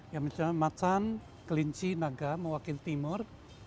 yang misalnya macan kelinci naga mewakili timur